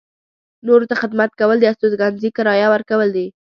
نورو ته خدمت کول د استوګنځي کرایه ورکول دي.